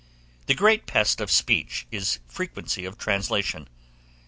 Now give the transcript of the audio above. The great pest of speech is frequency of translation.